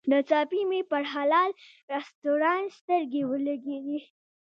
ناڅاپي مې پر حلال رسټورانټ سترګې ولګېدې.